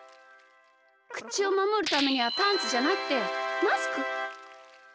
くちをまもるためにはパンツじゃなくてマスク！